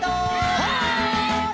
「はい！」